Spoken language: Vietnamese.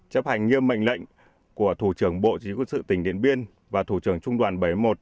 chấp hành nghiêm mệnh lệnh của thủ trưởng bộ chỉ huy quân sự tỉnh điện biên và thủ trưởng trung đoàn bảy mươi một